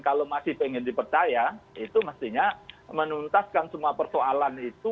kalau masih ingin dipercaya itu mestinya menuntaskan semua persoalan itu